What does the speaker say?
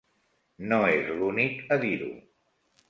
No és l'únic a dir-ho.